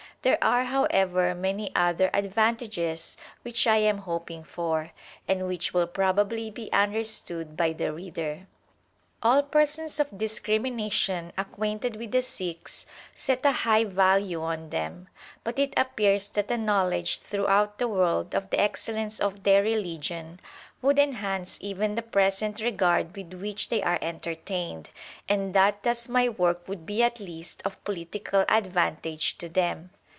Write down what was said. There are, however, many other advantages which I am hoping for, and which will probably be understood by the reader. All persons of discrimination acquainted with the Sikhs set a high value on them, but it appears that a knowledge throughout the world of the excellence of their religion would enhance even the present regard with which they are entertained, and that thus my work would be at least of political ad vantage to them.